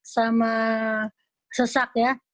sama sesak ya